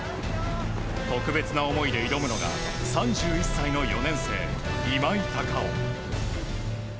特別な思いで挑むのが３１歳の４年生今井隆生。